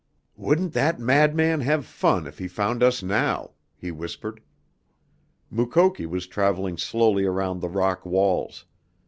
"Wouldn't that madman have fun if he found us now!" he whispered. Mukoki was traveling slowly around the rock walls.